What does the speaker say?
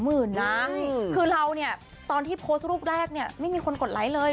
หมื่นนะคือเราเนี่ยตอนที่โพสต์รูปแรกเนี่ยไม่มีคนกดไลค์เลย